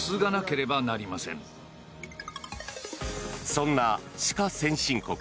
そんな歯科先進国